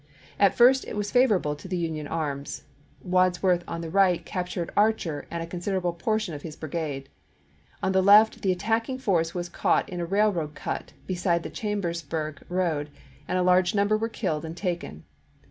At first it was favor able to the Union arms. Wadsworth on the right captured Archer and a considerable portion of his brigade. On the left the attacking force was caught in a railroad cut beside the Chambersburg road, and a large number were killed and taken.